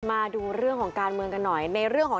มาดูเรื่องของการเมืองกันหน่อย